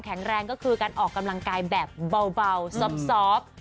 แรงก็คือการออกกำลังกายแบบเบาซอบ